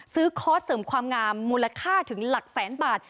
คอร์สเสริมความงามมูลค่าถึงหลักแสนบาท